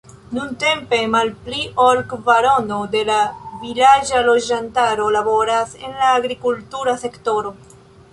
Nuntempe malpli ol kvarono de la vilaĝa loĝantaro laboras en la agrikultura sektoro.